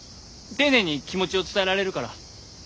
丁寧に気持ちを伝えられるから。